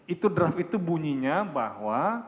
itu draft itu bunyinya bahwa